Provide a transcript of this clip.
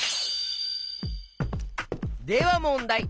ではもんだい！